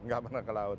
nggak pernah ke laut